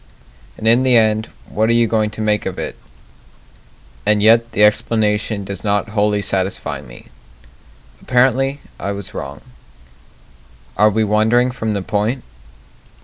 And in the end, what are you going to make of it? And yet the explanation does not wholly satisfy me Apparently I was wrong Are we wandering from the point?